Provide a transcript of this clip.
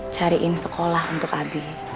cariin sekolah untuk abi